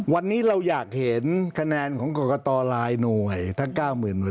วันนี้เราอยากเห็นคะแนนของกรกตหลายหน่วยทั้ง๙๐๐